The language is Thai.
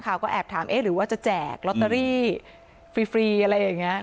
ก็แอบถามเอ๊ะหรือว่าจะแจกลอตเตอรี่ฟรีอะไรอย่างนี้